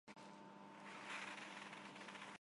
Մարսողական համակարգի առաջին բաժինը շատ մեծ ըմպանն է։